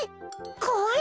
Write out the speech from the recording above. こわい？